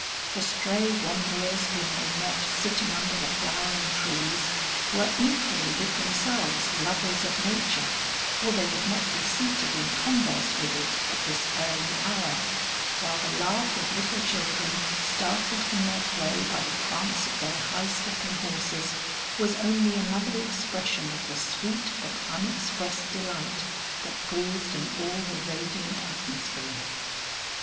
The stray wanderers whom they met sitting under the flowering trees, were equally with themselves lovers of nature or they would not be seated in converse with it at this early hour; while the laugh of little children startled from their play by the prance of their high stepping horses, was only another expression of the sweet but unexpressed delight that breathed in all the radiant atmosphere.